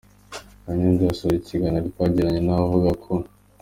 Kanyombya yasoje ikiganiro twagiranye na we avuga ko.